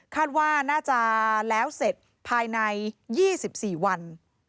ว่าน่าจะแล้วเสร็จภายใน๒๔วัน